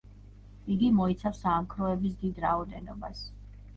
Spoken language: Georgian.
იგი მოიცავს საამქროების დიდ რაოდენობას.